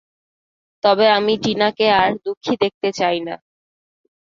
তবে আমি টিনাকে আর, দুঃখী দেখতে চাই না।